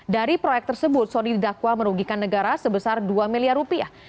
dari proyek tersebut sony didakwa merugikan negara sebesar dua miliar rupiah